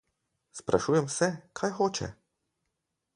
Sprašujem se, kaj hoče?